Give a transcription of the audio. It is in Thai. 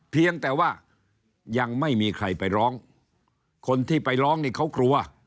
เพียงแต่ว่ายังไม่มีใครไปร้องคนที่ไปร้องนี่เขากลัว